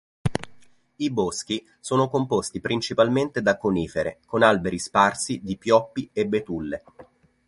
I boschi sono composti principalmente da conifere, con alberi sparsi di pioppi e betulle.